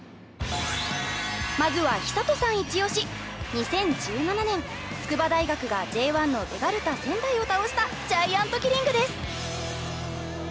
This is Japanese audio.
２０１７年筑波大学がＪ１のベガルタ仙台を倒したジャイアントキリングです。